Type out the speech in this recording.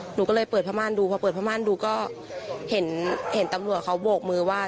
หนูก็เลยเปิดผ้าม่านดูพอเปิดผ้าม่านดูก็เห็นเห็นตำรวจเขาโบกมือว่า